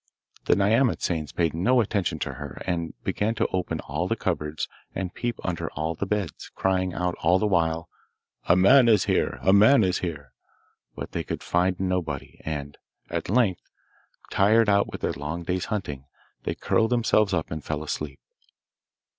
The nyamatsanes paid no attention to her, and began to open all the cupboards, and peep under all the beds, crying out all the while, 'A man is here! a man is here!' but they could find nobody, and at length, tired out with their long day's hunting, they curled themselves up and fell asleep.